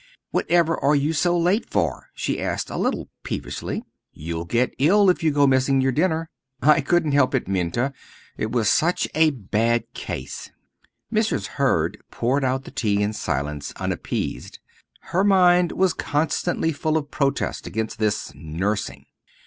"Whatever are you so late for?" she asked a little peevishly. "You'll get ill if you go missing your dinner." "I couldn't help it, Minta, it was such a bad case." Mrs. Hurd poured out the tea in silence, unappeased. Her mind was constantly full of protest against this nursing.